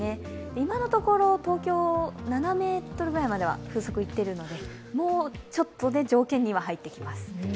今のところ東京は７メートルぐらいまでは風速いっているので、もうちょっとで条件には入ってきます。